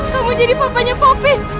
kamu jadi papanya popi